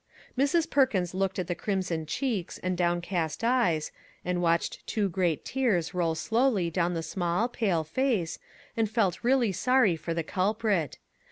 Mrs. Perkins looked at the crimson cheeks and downcast eyes, and watched two great tears roll slowly down the small, pale face, and felt really sorry for the culprit.